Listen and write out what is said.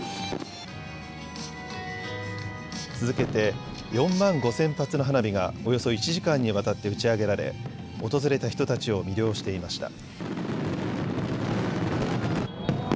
続けて４万５０００発の花火がおよそ１時間にわたって打ち上げられ訪れた人たちを魅了していました。